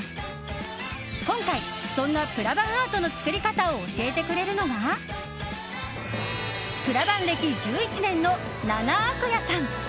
今回そんなプラバンアートの作り方を教えてくれるのがプラバン歴１１年のナナアクヤさん。